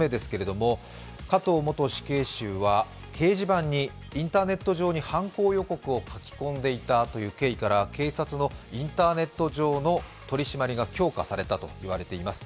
加藤元死刑囚は掲示板にインターネット上に犯行予告を書き込んでいたという経緯から警察のインターネット上の取り締まりが強化されたと言われています。